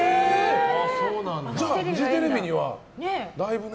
じゃあフジテレビにはだいぶね。